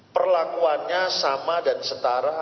perlakuannya sama dan setara